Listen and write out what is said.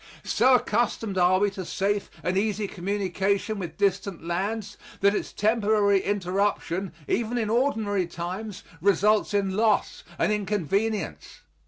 So accustomed are we to safe and easy communication with distant lands that its temporary interruption, even in ordinary times, results in loss and inconvenience.